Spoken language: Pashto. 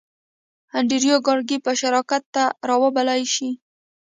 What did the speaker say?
انډریو کارنګي به شراکت ته را وبللای شې